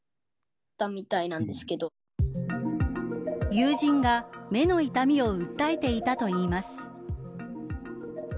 友人が目の痛みを訴えていたといいます。